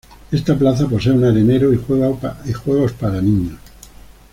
Esta plaza posee un arenero y juegos para niños.